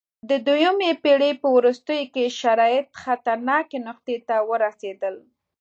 د دویمې پېړۍ په وروستیو کې شرایط خطرناکې نقطې ته ورسېدل